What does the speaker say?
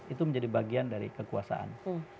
itu menjadi bagian dari kekuasaan